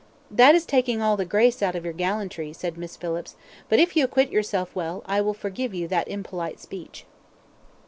"That is taking all the grace out of your gallantry," said Miss Phillips, "but if you acquit yourself well, I will forgive you that impolite speech."